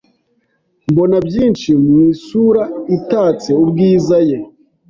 mbona byinshi mu isura itatse ubwiza ye!